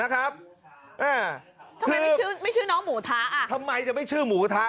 นะครับเอ่อไม่ชื่อน้องหมูทะอ่ะทำไมจะไม่ชื่อหมูทะอ่ะ